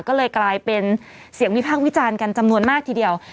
ก็เลยกลายเป็นเสียงวิพากษ์วิจารณ์กันจำนวนมากทีเดียว